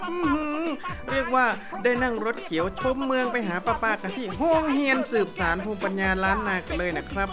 เรียกว่าได้นั่งรถเขียวชมเมืองไปหาป้ากันที่ห่วงเฮียนสืบสารภูมิปัญญาล้านนากันเลยนะครับ